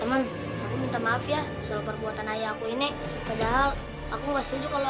temen temen minta maaf ya selalu perbuatan ayahku ini padahal aku nggak setuju kalau